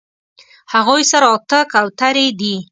هغوی سره اتۀ کوترې دي